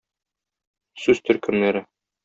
Сүз төркемнәре.